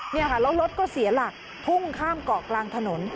นี่ค่ะแล้วรถก็เสียหลักพุ่งข้ามเกาะกลางถนน